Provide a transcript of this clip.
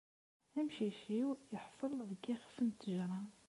Amcic-iw yeḥṣel deg yixef n ttejra.